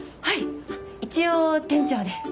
はい一応店長で。